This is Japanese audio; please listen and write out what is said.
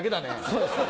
そうですね。